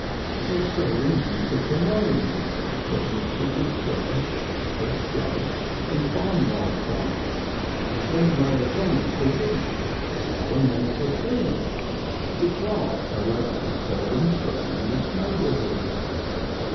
They seldom use it alone, but mix it with turf, fresh dug, and farmyard dung, and then lay it on for wheat, now and then for turnips, which are however seldom sown in this neighbourhood.